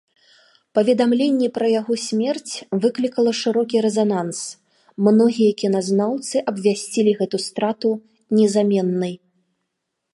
Паведамленне пра яго смерць выклікала шырокі рэзананс, многія кіназнаўцы абвясцілі гэту страту незаменнай.